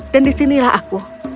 dan disinilah aku